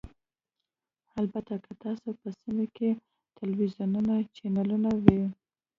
البته که ستاسو په سیمه کې تلویزیوني چینلونه وي